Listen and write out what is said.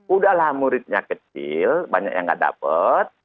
udahlah muridnya kecil banyak yang gak dapat